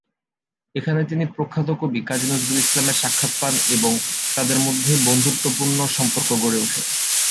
এখানে তিনি প্রখ্যাত কবি কাজি নজরুল ইসলামের সাক্ষাত পান এবং তাদের মধ্যে বন্ধুত্বপূর্ণ সম্পর্ক গড়ে উঠে।